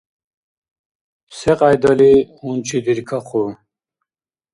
Секьяйдали гьунчидиркахъу?